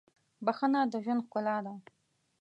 • بښنه د ژوند ښکلا ده.